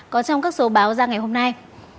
có trong các số báo ra ngày hôm nay